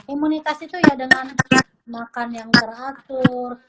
imunitas itu ya dengan makan yang teratur